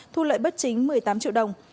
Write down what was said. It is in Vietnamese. thu lợi bất chính một mươi tám triệu đồng